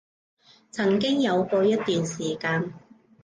曾經有過一段時間